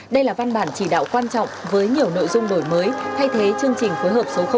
đây là văn bản chỉ đạo quan trọng với nhiều nội dung đổi mới thay thế chương trình phối hợp số năm